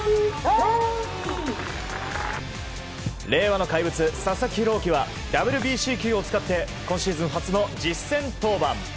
令和の怪物、佐々木朗希はＷＢＣ球を使って今シーズン初の実戦登板。